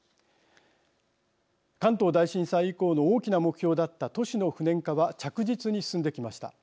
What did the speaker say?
関東大震災以降の大きな目標だった都市の不燃化は着実に進んできました。